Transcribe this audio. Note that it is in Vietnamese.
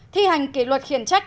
thi hành kỷ luật khiển trách